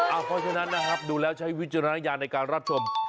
เพราะฉะนั้นนะครับดูแล้วใช้วิจารณญาณในการรับชม